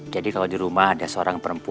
jadi kalau di rumah ada seorang perempuan